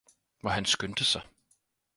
Hvor han skyndte sig